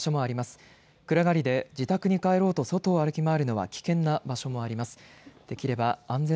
暗がりで自宅に帰ろうと外に歩き回るのは危険な場所もあります。